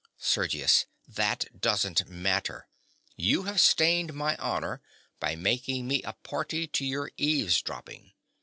SERGIUS. That doesn't matter. You have stained my honor by making me a party to your eavesdropping.